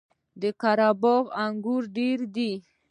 د قره باغ انګور ډیر دي